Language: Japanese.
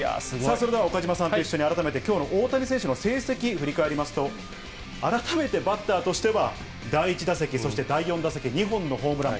それでは岡島さんと改めてきょうの大谷選手の成績を振り返りますと、改めてバッターとしては第１打席、そして第４打席、２本のホームラン。